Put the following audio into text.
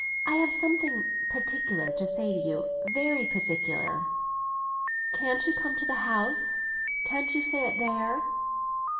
"I have something particular to say to you—very particular." "Can't you come to the house? Can't you say it there?"